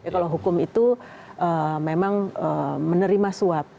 kalau hukum itu memang menerima suap